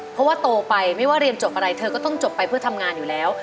เพราะว่าโตไปไม่ว่าเรียนจบอะไรเธอก็ต้องจบไปเพื่อทำงานอยู่แล้ว